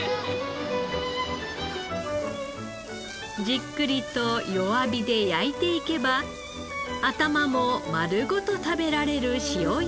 じっくりと弱火で焼いていけば頭も丸ごと食べられる塩焼きに。